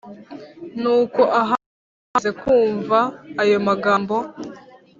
Nuko Ahabu amaze kumva ayo magambo